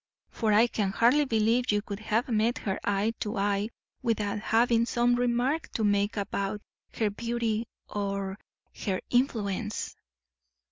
for I can hardly believe you could have met her eye to eye without having some remark to make about her beauty or her influence."